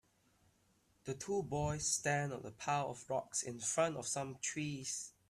The two boys stand on a pile of rocks in front of some trees.